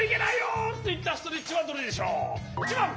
１ばん！